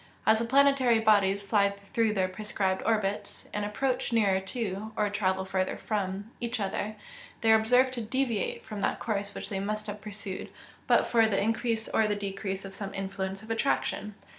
As the planetary bodies fly through their prescribed orbits, and approach nearer to, or travel further from, each other, they are observed to deviate from that course which they must have pursued but for the increase or the decrease of some influence of attraction.